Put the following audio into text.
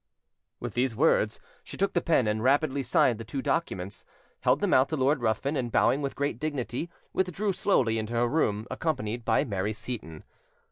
With these words, she took the pen and rapidly signed the two documents, held them out to Lord Ruthven, and bowing with great dignity, withdrew slowly into her room, accompanied by Mary Seyton.